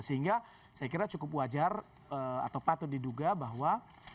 sehingga saya kira cukup wajar atau patut diduga bahwa